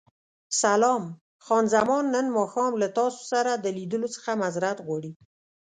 سلام، خان زمان نن ماښام له تاسو سره د لیدو څخه معذورت غواړي.